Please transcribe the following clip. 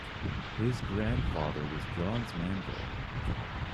His grandfather was Johns Manville.